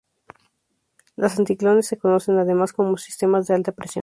Los anticiclones se conocen además como sistemas de alta presión.